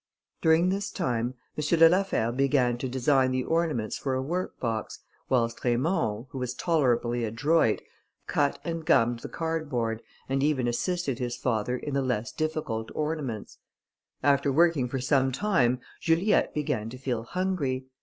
During this time, M. de la Fère began to design the ornaments for a work box, whilst Raymond, who was tolerably adroit, cut and gummed the card board, and even assisted his father in the less difficult ornaments. After working for some time, Juliette began to feel hungry.